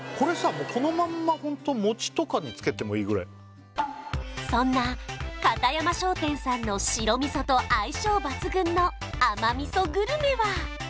もうこのまんまホント餅とかにつけてもいいぐらいそんな片山商店さんの白味噌と相性抜群の甘味噌グルメは？